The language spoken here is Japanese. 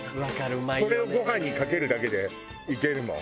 それをご飯にかけるだけでいけるもん